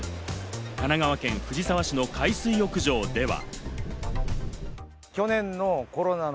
神奈川県藤沢市の海水浴場では。